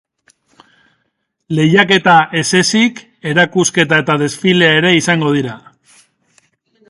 Lehiaketa ez ezik, erakusketa eta desfilea ere izango dira.